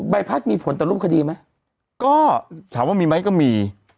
ใบพัดมีผลต่อรูปคดีไหมก็ถามว่ามีไหมก็มี